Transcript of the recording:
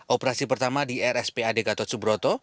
operasi pertama di rspad gatot subroto